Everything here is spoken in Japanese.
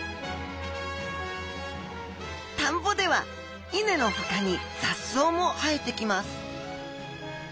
田んぼでは稲のほかに雑草も生えてきます。